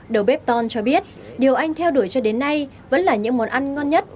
đầu bếp ton cho biết điều anh theo đuổi cho đến nay vẫn là những món ăn ngon nhất